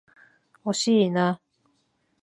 惜しいな。